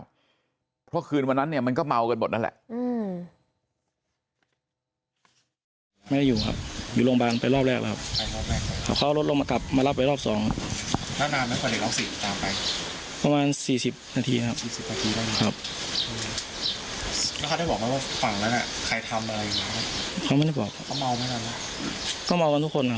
เพราะคืนวันนั้นเนี่ยมันก็เมากันหมดนั่นแหละ